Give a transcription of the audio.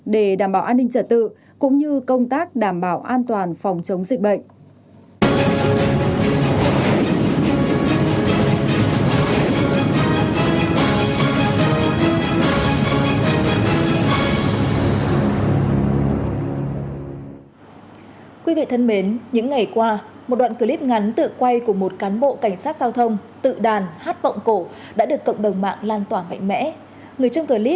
để đảm bảo an ninh trật tự cũng như công tác đảm bảo an toàn phòng chống dịch bệnh